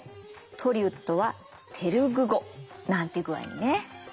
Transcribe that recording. トリウッドはテルグ語なんて具合にね。